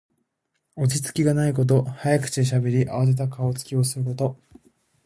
落ち着きがないこと。早口でしゃべり、あわてた顔つきをすること。